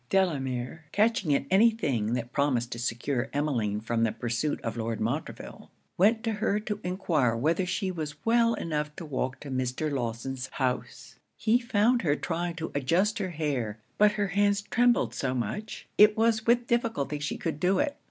Delamere, catching at any thing that promised to secure Emmeline from the pursuit of Lord Montreville, went to her to enquire whether she was well enough to walk to Mr. Lawson's house. He found her trying to adjust her hair; but her hands trembled so much, it was with difficulty she could do it.